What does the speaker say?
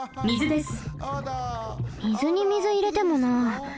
水に水いれてもな。